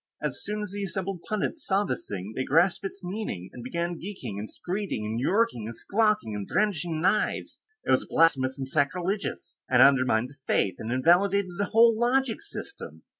As soon as the assembled pundits saw this thing and grasped its meaning, they began geeking and skreeking and yorking and squawking and brandishing knives it was blasphemous, and sacrilegious, and undermined the Faith, and invalidated the whole logic system.